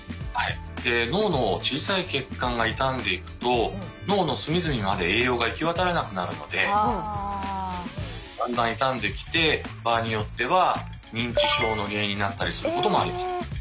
で脳の小さい血管が傷んでいくと脳の隅々まで栄養が行き渡らなくなるのでだんだん傷んできて場合によっては認知症の原因になったりすることもあります。